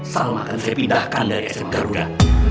salma akan saya pindahkan dari sma garuda